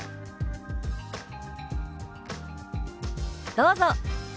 どうぞ。